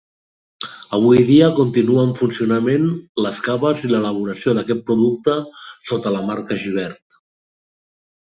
Avui dia continua en funcionament les caves i l'elaboració d'aquest producte sota la marca Gibert.